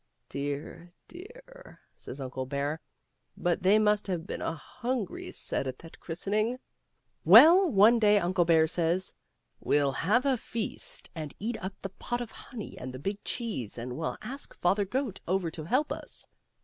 " Dear, dear," says Uncle Bear, " but they must have been a hungfry set at that christening." Well, one day Uncle Bear says, " We'll have a feast and eat up the pot of honey and the big cheese, and we'll ask Father Goat over to help us."